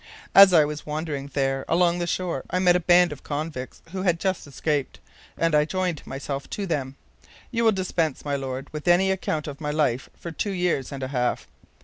As I was wandering there along the shore, I met a band of convicts who had just escaped, and I joined myself to them. You will dispense, my Lord, with any account of my life for two years and a half.